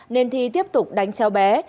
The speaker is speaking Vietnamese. nên thi tiếp tục đánh cháu bé